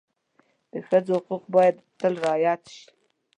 د ښځو حقوق باید تل رعایت شي.